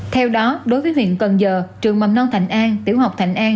theo đó đối với huyện cần giờ trường mầm non thành an tiểu học thạnh an